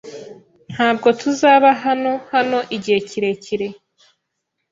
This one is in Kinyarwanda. Ntabwo tuzaba hano hano igihe kirekire.